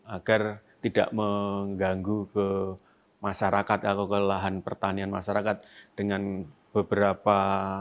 agar tidak mengganggu ke masyarakat atau ke lahan pertanian masyarakat dengan beberapa